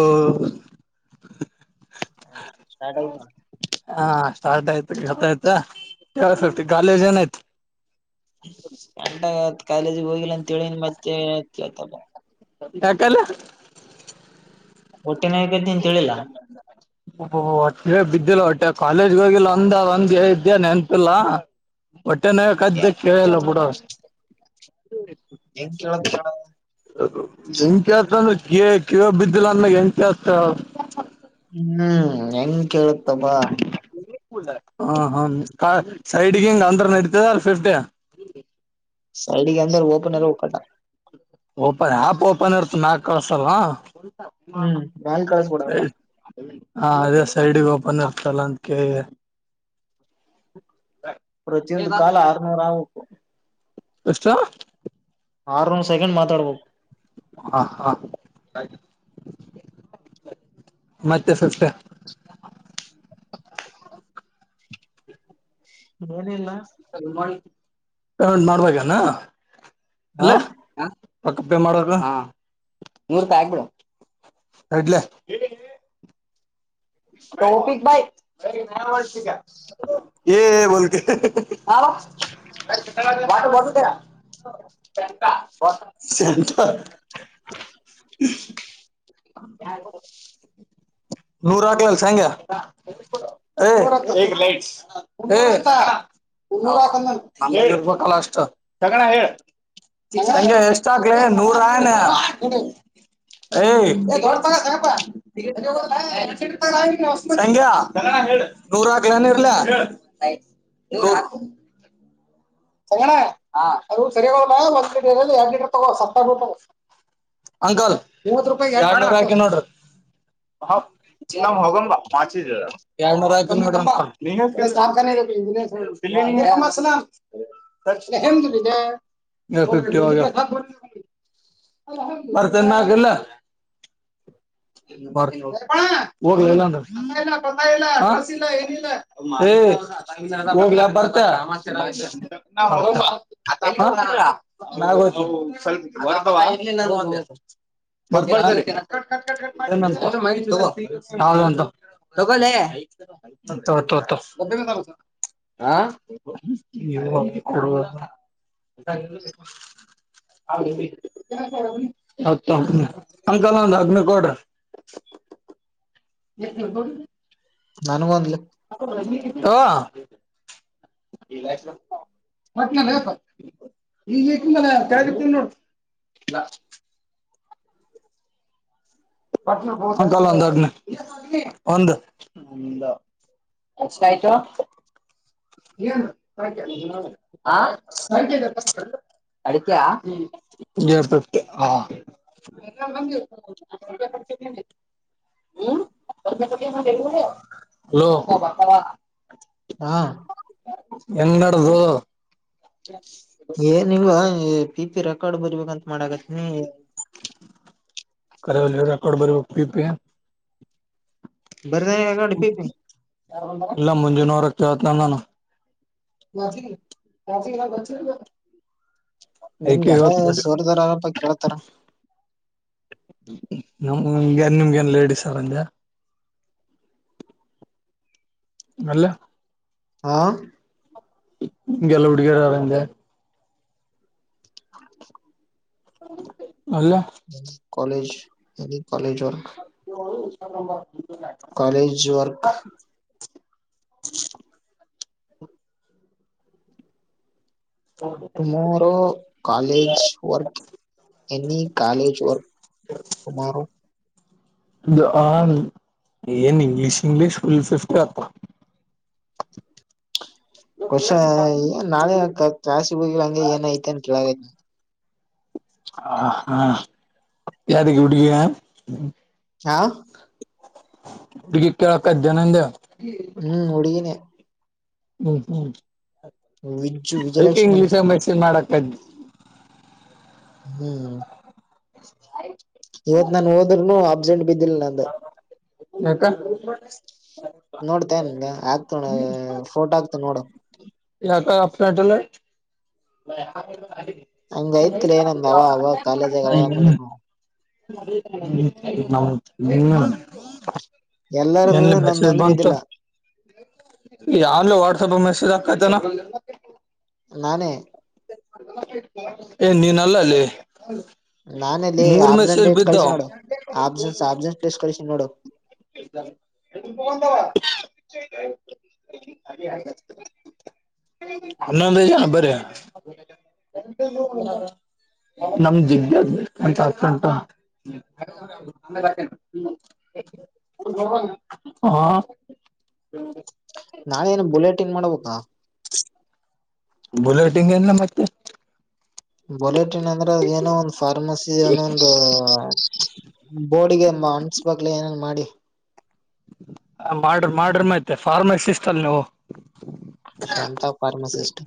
ಒ [inaudible] ಹಾ ಸ್ಟಾರ್ಟ್ ಆಯ್ತು ಹೇಳ್ತಾ ಆಯ್ತಾ. ಕಾಲೇಜ್ ಏನಾಯ್ತು. ಕಟ ಕಾಲೇಜಿಗೆ ಹೋಗಿಲ್ಲ ಅಂತೇಳ ಮತ್ತೆ ಹಾಕಲ್ಲ. ಹೊಟ್ಟೆನ ಬೇಕಂತ ಹೇಳಿಲ್ಲ [unintelligible] ಇದಿಲ್ಲ ಹೊಟ್ಟೆ ಕಾಲೇಜ್ಗೆ ಹೋಗಿಲ್ಲ ಒಂದ ಒಂದ್ ನೆನ್ಪಿಲ್ಲ. ಹೊಟ್ಟೆ ನ ಕದ್ದ ಕೇಳಲ್ಲ ಬಿಡು. ಏನ್ ಕೇಳುತ್ತಣ್ಣ. [unintelligible] ಕಿವ ಬಿದ್ದಿಲ್ಲ ಅಂದ ಹೆಂಗ ಕಸ್ತ ಹ್ಮ್ ಹೆಂಗ್ ಕೇಳುತ್ತಬಾ ಹ ಹ ಸೈಡ್ಗ ಹಿಂಗ ಅಂದ್ರ ನಡತದ ಫಿಫ್ಟ ಹ ಸೈಡಿಗೆ ಅಂದ್ರ ಓಪನ ಇರಬಕ್ ಅಣ್ಣ ಓಪನ್ ಆಪ್ ಓಪನ್ ಇರ್ತ ನಾಕ ಕಳಸಲ್ ಹ್ಮ್ ಮ್ಯಾಲ್ ಕಳಸ್ಬಿಡ ಕಟ [unintelligible] ಹಾ ಅದೇ ಸೈಡ್ಗೆ ಓಪನ್ ಇರತ್ತಲ್ ಅಂತ ಕೇಳಿದೆ. ಪ್ರತಿಯೊಂದು ಕಾಲ್ ಆರ್ನೂರ್ ಆಬಕು ಎಷ್ಟ ಆರ್ನೂರ್ ಸೆಕೆಂಡ್ ಮಾತಾಡಬಕ ಹಾ ಹಾ ಮತ್ತೆ ಶಿಫ್ಟ್ ಏನಿಲ್ಲ ಪೇಮೆಂಟ ಮಾಡ್ಬೇಕಾನ ಅಲ್ಲ ಹಾ ರೊಕ್ಕ ಪೇ ಮಾಡ ಹೋಗು ನೂರು ರೂಪಾಯಿ ಹಾಕ್ಬಿಡ ತಡ್ಲೆ ಕೌಪಿಕ ಭಾಯ [unintelligible] ಕೆ ಬಲ್ಕ ಬಟ್ಟಾ ಬರುದ ಸಂಟ [unintelligible] ನೂರ ಹಾಕ್ಲೆಲ್ ಸಂಗ್ಯಾ ಹ ಏಕ್ ಲೈಟ್ಸ್ ಏ ಪುರಾ ತಂದನಿ ನಮ್ಮಲ್ಲಿ ಇರಬೇಕಲ್ಲ ಅಷ್ಟ ಹೇಳ ಲಗೂನ ಹೇಳ್ ನಂಗೆ ಎಷ್ಟ ಹಾಕಿಲಿ ನೂರಯನ್ ಏಯ [unintelligible] ಸಂಗ್ಯಾ ನೂರ್ ನೂರ್ ಹಾಕ್ಲೆನ್ ಇರಲೇ ಸಂಗಣ್ಣ ಅದು ಸರಿಯಾಗಲ್ಲ ಒಂದ್ ಲೀಟರ್ ಎರಡ್ ಲೀಟರ್ ತಗೋ ಸಸ್ತಾ ಬೀಳತಾವ್ ಅಂಕಲ್ ಮುವ್ವತ್ ರೂಪಾಯಿ ಎರಡು ಅಂಕಲ್ ಎರಡು ನೂರ್ ಹಾಕಿನೆ ನೋಡ್ರಿ ಹ ಜ್ ಹೋಗ ಮಾಚಿದ್ದ ಎಡನೂರಾಯ ಮಸ [unintelligible] [unintelligible] ಫಿಫ್ಟಿ ಈವಾಗ್ ಬರ್ತನ್ನಾಗಲ್ಲ [unintelligible] ಏನಿಲ್ಲ [unintelligible] ಹೇ ಹೋಗ್ಲೇ ಬರ್ತ [unintelligible] [unintelligible] ತಗೋ ಯಾವದರ ಒಂದ ತಗೋ ತಗೋ ಲೇ ತೊ ತೊ ಹಾ [unintelligible] ಹೌದಿ ಹೌದೋ ಅಂಕಲ್ ಒಂದ ಅಗ್ನ ಕೋಡರಿ ಎಷ್ಟ ನನಗೊಂದು ಒಂದಲೇ ಹ [unintelligible] ಮಟ್ನ ಲೇ ಪಾ ಈಗ ಇಟ್ಟಿದನಲ್ ಕೆಳಗ ಇಟ್ಟೀನಿ ನೋಡ ಇಲ್ಲ [unintelligible] ಕಾಲ ಒಂದ ಎಷ್ಟ ಆಯಿತು [unintelligible] ಹ ಸರಿ ಅಡಕ್ಕೆ ಹ ಫಿಫ್ಟಿ [inaudible] ಹ್ಮ ಹಾ ಎಂಗ ನಡದು ಏನ್ವ ಪಿ ಪಿ ರೆಕಾರ್ಡ್ ಬರ್ಬೇಕಂತ ಮಾಡಕತ್ತನಿ ಕರೆ ರೆಕಾರ್ಡ್ ಬರಬೇಕಪ ಬರ್ದ ರೆಕಾರ್ಡ್ ಪಿ ಪಿ ಇಲ್ಲ ಮುಂಜಾನವರ ಜತ್ನಾಾನ ನಿಮ್ಗೆಲ್ಲ ಸೋರಿದಾರಾರಪ್ಪ ಕೇಳ್ತಾರ ನಮಗೆ ನ್ ನಿಮ್ಗೆ ನ್ ಲೇಡಿಸ್ರಜ ಅಲ್ಲ ಹಾ ಗೆಲ್ಲ ಹುಡ್ಗಿಯರ ಅರಂದೆ ಅಲ್ಲ ಕಾಲಜ್ ಅದ ಕಾಲೇಜ ವರ್ಕ್ ಹ ಕಾಲೇಜ ವರ್ಕ್ ಹ tomorrow college work any college work Kumar the on ಏನ್ ಇಂಗ್ಲಿೀಷ್ ಇಂಗ್ಲಿೀಷ್ ಫುಲ್ ಫಿಫ್ಟ ಅತ್ತ ಕಷ ನಾಳೆ ಕಾಾಸಿ ಹೋಗಿಂಗೆ ಏನಐತಿ ಅನ್ ಕೇಳಾಗೈ ಹ ಹಾ ಯದಕ್ಕೆ ಬಿಡ ಹ ಗ ಕೇಳಕ್ಕ ಜನಂದ ಹ್ಮ್ ಹಡುಗಿನ ಹ್ಮ್ ಹ್ಮ್ ವಿಜ್ ಅದ ವಿಜಯಲಕ್ಷ್ಮಿ ಇಂಗ್ಲಿಷ್ ಅಂತ ಮೆಸನ್ ಮಾಡಕ್ ಅು ಹ್ಮ್ ಸ ಇವತ್ ನಾು ಹೋದ್ೂನು ಅಬ್ಸೆಂಟ್ ಬಿದ್ದಿಲ್ಲ ನಂದ ಯಾಕ ನೋಡ್ತಾನ್ ಆಗ್ತಣ ಫೋಟೋ ಆಗ್ತ ನೋಡು ಯ ಕ ಅಲ್ಯಾಟಲ ಹಂಗ ಐತ್ಲೇ ನಮ್ದ ಅವ ಅವ ಕಾಲೇಜಾಗ ಅ ಅವ ಮಾಡಿನು ನೌ ಎಲ್ಲಾರ್ದು ಎನ್ ಮೆಸೇಜ್ ನಂದೊಂದು ಬಂತು ಬಿದ್ದಿಲ್ಲ ಯಾರ್ಲ ವಾಟ್ಸಪ್ ಮೆಸೇಜ್ ಹಾಕತನಾ ನಾನೆ ಏ ನೀನ್ಲ್ಲ ಅಲ್ಲಿೇ ನಾನೆಲ್ಲಿ ಆಬ್ಸೆನ್ಟ್ ಡೇಟ್ ಕಳಿಸಿ ನೋಡು ಆಬ್ಸೆನ್ಸ್ ಆಬ್ಸೆನ್ಟ್ ಪ್ಲೇಸ್ ಕಳಿಸಿ ನೋಡು ಎದ ು ಬಂತವಾ ಆನ್ನಂದ ಬರ ನಮ್ದ ದಂತತ ಉಂಟ ಬ ಹಾ ನಾೇನು ಬುಲೆಟಿನ್ ಮಾಡ್ಬೇಕಾ ಬುಲೆಟಿಂಗ್ ಎಲ್ಲ ಮತ್ತೆ ಬುಲೆಟಿನ್ ಅಂದ್ರೆ ಅದ ಏನೋ ಒಂದು ಫಾರ್ಮಸಿ ಏನೋ ಒಂದು ಬೋಡಿಗೆ ಅನ್ಸಬಾಗಲ ಏನೇನ್ ಮಾಡಿ ಮಾಡ್ರಿ ಮಾಡ್ರ ಮತ್ತ ಫಾರ್ಮಸಿಸಿಸ ಅಲ್ ನೀವು ಶಾಂತ ಫಾರ್ಮಾಸಿಸಿಸ್ಟ.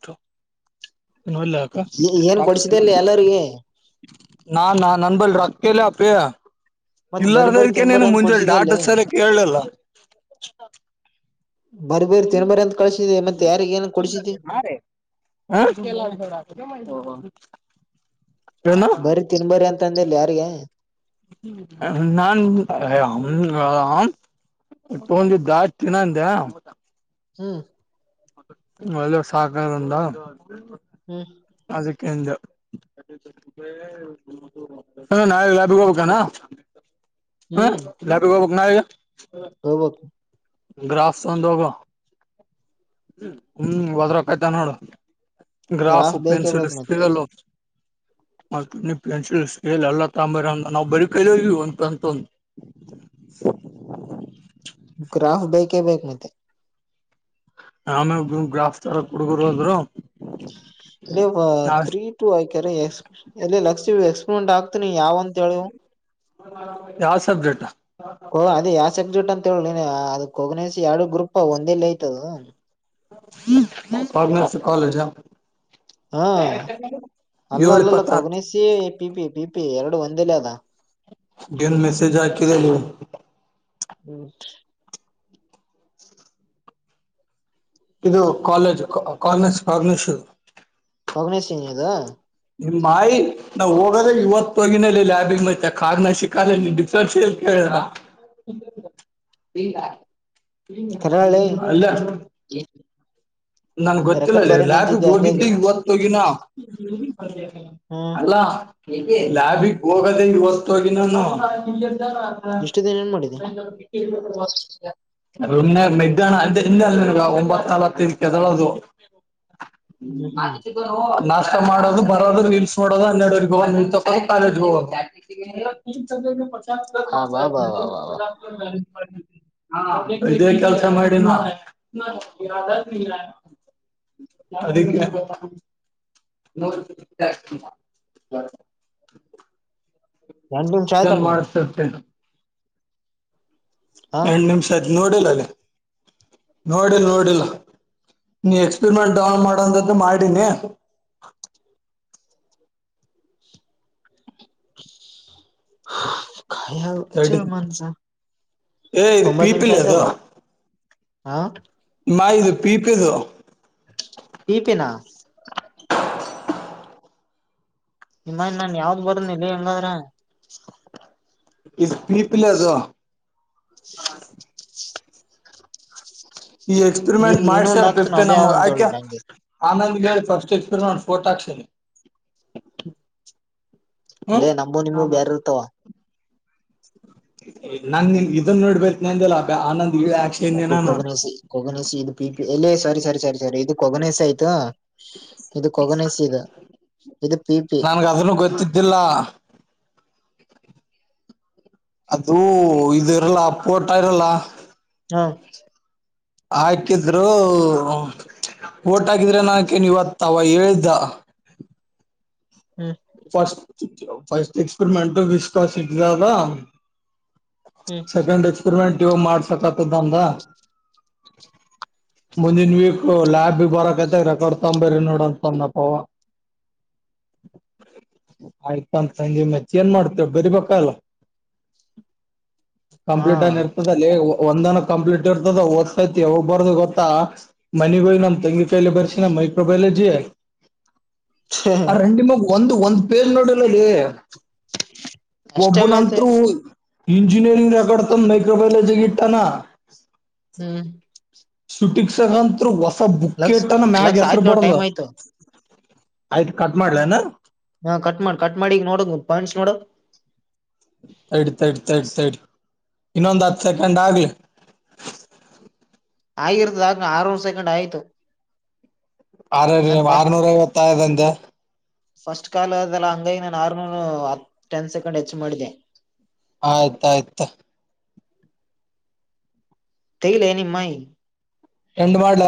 ತ್ತು ಇಲ್ಲ ಏನ್ ಕೊಡ್ಸಿದೆ ಅಲ್ಲಿ ಎಲ್ಲರಿಗೆ ನಾ ನಾ ನನ್ ಬಳಿ ರೊಕ್ ಇಲ್ಲ ‌. ಪ್ರಿಯ ಮತ್ತೆ ಬರ್ಬರ್ ತಿಂಬರ್ ಅಂಗ ಕೊಡ್ಸಿದ ಅಲ್ಲ. ಸರಿ ಕೇಳಲಿಲ್ಲ ಬರ ಬೇರ್ ತಿನ್ಬರ ಅಂತ ಕಳ್ಸಿದ್ದೆ ಮತ್ತೆ ಯಾರಿಗೆ ಏನನ್ ಕೊಡಿಸಿದ್ದಿ. ಹ ಏನು ಬರಿ ತಿನ್ಬರಿ ಅಂತಂದಿಲ್ಲ ಯಾರಿಗೆ. ನನ್ [unintelligible] ತ ಒಂದು ದಾಸ್ ದಿನ ಅಂದ. ಹ್ಮ್ ಒಳ್ಳೆ ಸಾಕಂದ. ಹ್ಮ್ ಎಂತ ನಾದು [unintelligible] ಬೇಕಾನ. ಹ ಲಾಬಿ ಹೊಬೆಕ ನಾವಿಗ. ಹೊಬೇಕು ಗ್ರಾಸ್ ಒಂದ ಹೋಗ ಹ್ಮ ಹೊದ್ರಕಾಯ್ತಾ ನೋಡು. ಗ್ರಾಫ್ ಬೇಕೇ ಪೆನ್ಸಿಲ್ ಬೇಕ್ ಮತ್ತೆ ಸ್ಕೆಲು. ಮತ್ತ ಪೆನ್ಸಿಲ್ ಸ್ಕೇಲ್ ಎಲ್ಲ ತಗಂಬರಂದ ನಾವವು ಬರಿ ಕೈಲವಿಂತಂತ. [inaudible] ಗ್ರಾಫ್ ಬೇಕೇ ಬೇಕು ಮತ್ತೆ. ಹ ಗ್ರಾಫ್ ತರಕ್ ಹುಡ್ಗುರ್ ಹೋದ್ರು. ಇ ತ್ರ್ರೀ ಟು ಆಯಕ್ಯ ಎಕ್ ಎ ಲಕ್ಷ್ಮ. ಎಕ್ಸ್ಪಿರಿಮೆಂಟ್ ಆಗ್ತೀನಿ ಯಾವ ಅಂತ ಹೇಳಿವು. ಯಾವ ಸಬ್ಜೆಕ್ಟ್. ಎಕ್ಜುಟ್ ಅಂತ ಹೇಳಿ ಅದು ಕೋಗನ ಎರಡು ಗ್ರೂಪ್ ಒಂದೇಲ್ಲ ಯತದು. ಕಾನರ್ಸಿ ಕಾಲೇಜ. ಹಾ ಅಲ್ಲ ಏಳು ಅಲ್ಲಲ್ಲ ಇಪ್ಪತ್ತಾರು ಕೊಗ್ನಿಸಿ ಪಿಪಿ ಪಿಪಿ ಎರಡು ಒಂದಿಲ್ಲ ಅದ. ನ್ ಮೆಸಜ ಆಕರೆಲ್ಲ. ಹ್ಮ್ ಇದು ಕಾಲೇಜ್ ಕಾರ್ನಸ್ ಕಾರ್ನಶ. ಕಾಗ್ನೂಸಿ ಅದು. ನಿಮ್ಮ ಮಾಯಿ ನಾವವು ಹೋಗದ್ರೆ ಇವತ್ತು ತಗಿನಲ್ಲಿ ಲ್ಬಿಗ್ ಮೈ ಕ ನ ಸಿಕ ಡಿಫೆನ್ಸ್ ಕೇಳ. ಇಲ್ಲ ಕರಾಳೆ ಅಲ್ಲ ನನ್ ರೆಕಾರ್ಡ್ ಗೊತ್ತಿಲ್ಲಲ್ಲಿ ಬರೇನ ಲ್ಯಾಬ್ ಅಂತಿದ್ದೆ ಹೋಗಿದ್ದೆ ಹಂಗಾಗಿ ಇವತ್ತೋಗಿನ. ಹ್ಮ್ ಅಲ್ಲ ಲಾಬಿಗೆ ಹೋಗದೇ ಈ ಹೊಸ್ತೋಗಿ ನಾನು. [inaudible] ಇಷ್ಟು ದಿನ ಏನ್ ಮಾಡಿದೆ ನ್ನೆ ಮಗಾನ ಅಲ್ಲ ಒಂಬತ್ತಲ್ತ. ಳದು ಹ್ಮ್ ಹ್ಮ್ ನಾಷ್ಟ ಮಾಡೋದು ಬರೋದು ರೀಲ್ಸ್ ನೋಡೋದು ಹನ್ನೆಡರಿಗೆ ಹೋಗ ನಿ ತೋ ಕಾಲೇಜ್ ಹೋಗದು. [inaudible] ಹಾ ಬಾ ಬಾ ಬಾ ಬಾ ಬಾ ಇದೆ ಕೆಲ್ಸ ಮಾಡಿನ್ ನಾನ್. ಅದಿಕೆ [inaudible] ಎರಡ್ ನಿಮ್ಷ ಆಯ್ತಲ್ಲ ಮದು. ಹ ಎರಡ್ ನಿಮಿಷ ಆಯ್ತ್ ನೋಡಿಲ ಅಲ್ಲಿ ನೋಡಿ ನೋಡಿಲ್ಲ. ನೀ ಎಕ್ಸ್ಪೆರಿಮೆಂಟ್ ಡೌನ್ ಮಾಡಂತ್ದ ಮಾಡೀನಿ. [inaudible] ಅಚ್ಚ ತಡಿ ಮಾನ್ಸ ಏ ಇದು ಒಂಬತ್ತು ನಿಮಿಷ ಪೀಪಿಲ್ ಅದು ಆಯ್ತಲ್ವಾ ಹಾ ಮ ಇದು ಪೀಪಿದು ಪೀ ಪಿನ [unintelligible] ನಿಮ್ಮ ನಾನ್ ಯಾವ್ದ ಬರದ [unintelligible] ಇಲ್ಲ ಹೆಂಗಾದ್ರ ಇಸ್ ಪೀಪಲ್ ಅದು ಈ ಈ ಎಕ್ಸ್ಪೆರಿಮೆಂಟ್ ಇನ್ನೊಂದ್ ಮಾಡ್ಸರ್ ಆಗ್ತನ ಫಿಫ್ಟ ಅದೇ ನಮ್ ಯಾವ್ದಂತ ಆಯಕೆ ಹೇಳಿದ್ರ ಹಂಗೆ ಆನಂದ್ಗೆ ಹೇಳಿ ಫಸ್ಟ್ ಎಕ್ಸ್ಪಿರಿಮೆಂಟ್ ಪೋಟಾಕ್ಕ್ಷಿನ ಲೆ ನಮಗೂ ನಿಮ್ಮಗು ಬೇರೆ ಇರ್ತಾವ ನಾನ್ ನಿ ಇದನ್ನ ನೋಡ್ಬೇಕೇ ನಲ್ಲ ಆನಂದ ಕೊನಿ ಕೊಗನಸಿ ಇದು ಪಿ ಪಿ ಎಲ್ಲೇ ಸರಿ ಸರಿ ಸರಿ ಸರಿ ಇದು ಕೊಗನಸ ಆಯ್ತು ಇದು ಕೊಗನಸ ಇದ ನನ್ಗ ಅದನ್ನು ಗೊತ್ತಿದ್ದಿಲ್ಲ ಅದುೂ ಇದು ಇರಲ್ಲ ಪೋಟ ಇರಲ್ಲ ಹಾ ಆಕಿದ್ರು ಓಟ್ಗಿದ್ರೆ ನನಕೇನ್ ಇವತ್ತಾವ ಹೇಳ್ದ ಹ್ಮ್ ಫಸ್ಟ್ ಫಸ್ಟ್ ಎಕ್ಸ್ಪೆರಿಮೆಂಟ್ ವಿಶ್ವಾಸ ಇ ಹ್ಮ್ [unintelligible] ಸೆಕೆಂಡ್ ಎಕ್ಸ್ಪೆರಿಮೆಂಟ್ ಇವ ಮಾಡ್ಸಕ್ ಆತದ ಅನ್ದ ಮುಂದಿನ ವೀಕ್ ಲ್ಯಾಬ್ ಬರಕತೆ ರೆಕಾರ್ಡ್ ತೊಂಬ್ರಿ ನೋಡಂತ ತಂದ್ಪ್ಪವ [unintelligible] ಆಯ್ತ ಅಂತ ನೀ ಮಚ್ಚ ಏನ್ ಮಾಡ್ತೇವೆ ಬರಿಬೇಕಲ್ಲ ಹಾ ಕಂಪ್ಲೀಟ್ ಆಗ ಇರ್ತದ ಅಲ್ಲಿ ಒಂದ್ನ ಕಂಪ್ಲೀಟ್ ಇರ್ತದ ಓದ್ತೈತಿ ಯಾವಾಗ ಬರದು ಗೊತ್ತಾ ಮನಿಗೋಗಿ ನಮ್ ತಂಗಿ ಕಾಯಯಲಿ ಬರ್ಸಿ ನಮ [unintelligible] ಆ ರಂಡಿಮಗ್ ಒಂದು ಒಂದು ಪೇಜ್ ನೋಡಿಲ್ಲಲ್ಲಿ ಅಷ್ಟೇ ಒಬ್ಬ ಮತ್ತೆ ನಂತರೂ ಇಂಜಿನಿಯರಿಂಗ ರಕಡ್ತ ಮಾೈಕ್ರೋಬಾಯೋಲೊಜಿ ಗ ಇಡ್ತಾನ ಹ್ಮ್ ುಟಿಕ್ಸ್ಗಂ ಹೊಸ ಲಕ್ಸ್ ಬುಕಟ್ನ ಮ್ಯಾಗ ಲಕ್ಸ್ ಹೆಸರು ಆಯ್ತ್ ನೋಡ್ ಬರದ ಟೈಮ್ ಆಯ್ತು ಆಯ್ತು ಕಟ್ ಮಾಡ್ಲೆನು ಹಾ ಕಟ್ ಮಾಡ ಕಟ್ ಮಾಡಿಗ್ ನೋಡ ಪಾಯಿಂಟ್ಸ್ ನೋಡ ತಡ್ ತಡ್ ತಡಿ ತಡಿ ಇನ್ನೊಂದ್ ಹತ್ ಸೆಕೆಂಡ್ ಆಗ್ಲಿ ಆಗಿರ್ತದ ಆ ಆರೂರು ಸೆಕೆಂಡ್ ಆಯ್ತು ಆ ನನ್ ಆರ್ನೂರ ಫಸ್ಟ್ ಅರ್ನುರ್ ಐವತ್ತದಂದ ಫಸ್ಟ್ ಕಾಲ್ ಅದೆಲ್ಲ ಹಂಗಾಗಿ ನ ಆರ್್ಮೂಲ್ ಹ ಟೆನ್ ಸೆಕೆಂಡ್ ಹೆಚ್ಚು ಮಾಡಿದೆ ಆಯ್ತ ಆಾಯ್ತು ತೈಲ್ಲ ಎನ ಮಾೈಿ ಎಂಡ ಮಾಡ್ಲ